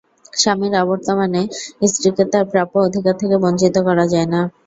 স্বামীর অবর্তমানে স্ত্রীকে তাঁর প্রাপ্য অধিকার থেকে বঞ্চিত করা যায় না।